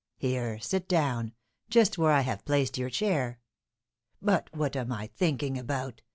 Here, sit down, just where I have placed your chair. But what am I thinking about?"